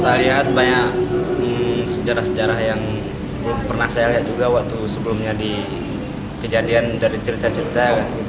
saya lihat banyak sejarah sejarah yang belum pernah saya lihat juga waktu sebelumnya di kejadian dari cerita cerita